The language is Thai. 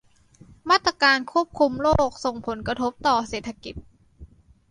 มาตรการควบคุมโรคส่งผลกระทบต่อเศรษฐกิจ